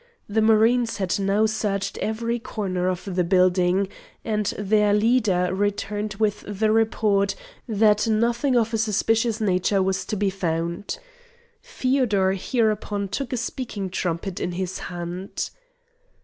The marines had now searched every corner of the building, and their leader returned with the report that nothing of a suspicious nature was to be found. Feodor hereupon took a speaking trumpet in his hand.